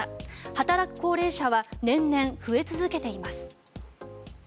働く高齢者は年々増え続けています。